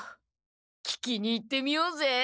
聞きに行ってみようぜ。